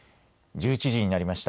１１時になりました。